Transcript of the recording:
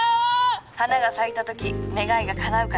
花が咲いた時願いがかなうから。